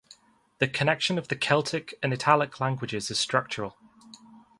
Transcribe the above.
The connection of the Celtic and Italic languages is structural.